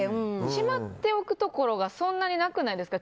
閉まっておけるところがそんなになくないですか。